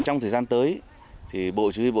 trong thời gian tới bộ chủ yếu bộ